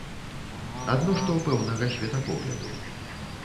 Адно што пэўнага светапогляду.